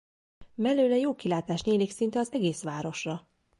Mellőle jó kilátás nyílik szinte az egész városra.